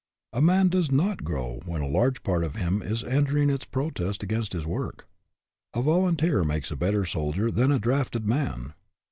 A man does not grow when a large part of him is entering its protest against his work. A volunteer makes a better soldier than a drafted man.